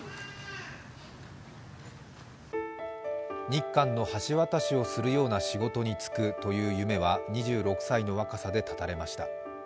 日韓の橋渡しをするような仕事に就くという夢は２６歳の若さで絶たれました。